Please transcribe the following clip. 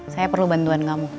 saya perlu bantuan kamu